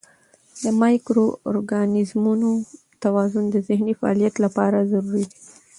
د مایکرو ارګانیزمونو توازن د ذهني فعالیت لپاره ضروري دی.